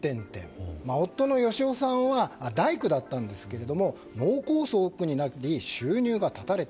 夫の芳男さんは大工だったんですが脳梗塞になり収入が絶たれた。